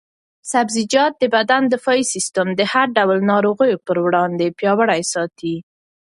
سبزیجات د بدن دفاعي سیسټم د هر ډول ناروغیو پر وړاندې پیاوړی ساتي.